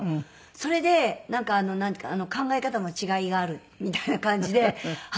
それでなんか考え方の違いがあるみたいな感じであ